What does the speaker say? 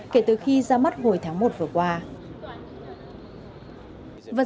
kể từ khi ra mắt hồi tháng một vừa qua